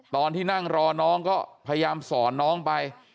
ตอนที่นั่งรอน้องก็พยายามสอนน้องไป